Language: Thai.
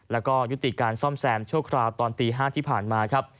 แล้วก็ยุติการซ่อมแซมชั่วคราวตอนตี๕ที่ผ่านมาครับ